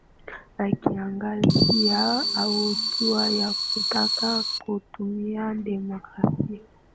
akiangazia hatua ya kutaka kutumia demokrasia